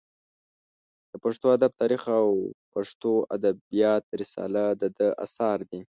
د پښتو ادب تاریخ او پښتو ادبیات رساله د ده اثار دي.